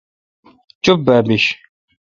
چپ با بیش۔